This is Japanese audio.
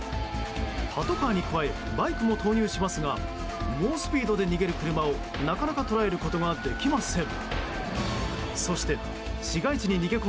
パトカーに加えバイクも投入しますが猛スピードで逃げる車をなかなか捉えることができません。